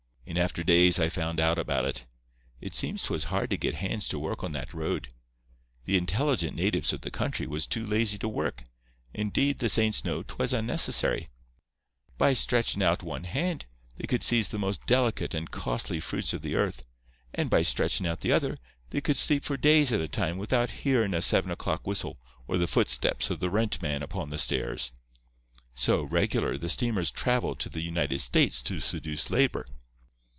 In after days I found out about it. It seems 'twas hard to get hands to work on that road. The intelligent natives of the country was too lazy to work. Indeed, the saints know, 'twas unnecessary. By stretchin' out one hand, they could seize the most delicate and costly fruits of the earth, and, by stretchin' out the other, they could sleep for days at a time without hearin' a seven o'clock whistle or the footsteps of the rent man upon the stairs. So, regular, the steamers travelled to the United States to seduce labour.